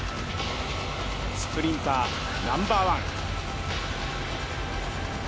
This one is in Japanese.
スプリンターナンバーワン。